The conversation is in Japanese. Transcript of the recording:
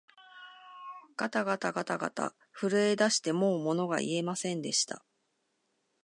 がたがたがたがた、震えだしてもうものが言えませんでした